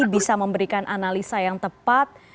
bisa memberikan analisa yang tepat